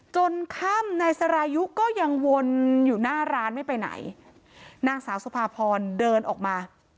ค่ำนายสรายุก็ยังวนอยู่หน้าร้านไม่ไปไหนนางสาวสุภาพรเดินออกมา